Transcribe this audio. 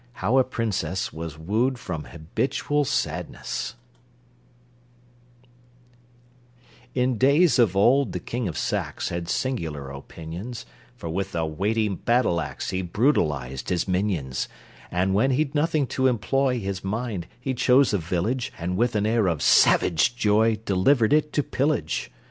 How a Princess Was Wooed from Habitual Sadness In days of old the King of Saxe Had singular opinions, For with a weighty battle axe He brutalized his minions, And, when he'd nothing to employ His mind, he chose a village, And with an air of savage joy Delivered it to pillage.